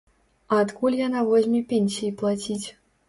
А адкуль яна возьме пенсіі плаціць?